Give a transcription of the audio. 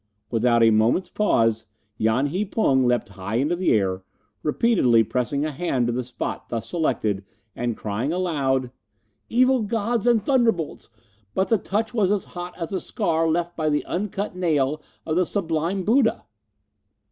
Without a moment's pause, Yan hi Pung leapt high into the air, repeatedly pressing his hand to the spot thus selected and crying aloud: "Evil dragons and thunderbolts! but the touch was as hot as a scar left by the uncut nail of the sublime Buddha!"